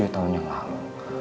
tujuh tahun yang lalu